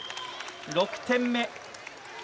６点目。